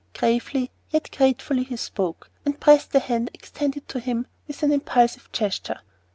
Gravely, yet gratefully, he spoke, and pressed the hand extended to him with an impulsive gesture.